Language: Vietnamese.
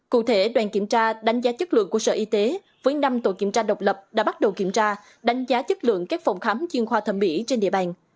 cụ thể đoàn kiểm tra đánh giá chất lượng của sở y tế với năm tổ kiểm tra độc lập đã bắt đầu kiểm tra đánh giá chất lượng các phòng khám chuyên khoa thẩm mỹ trên địa bàn